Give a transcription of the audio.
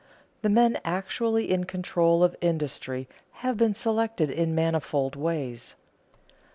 _The men actually in control of industry have been selected in manifold ways.